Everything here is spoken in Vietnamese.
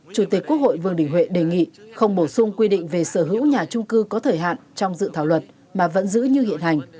chủ tịch quốc hội vương đình huệ đề nghị không bổ sung quy định về sở hữu nhà trung cư có thời hạn trong dự thảo luật mà vẫn giữ như hiện hành